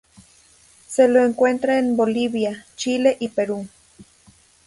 Se lo encuentra en Bolivia, Chile, y Perú.